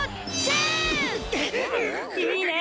いいね！